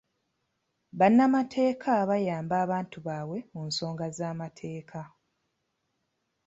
Bannamakeeta bayamba abantu baabwe mu nsonga z'amateeka.